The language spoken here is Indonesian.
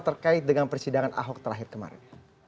terkait dengan persidangan ahok terakhir kemarin